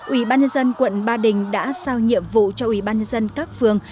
ủy ban nhân dân quận ba đình đã sao nhiệm vụ cho ủy ban nhân dân các phường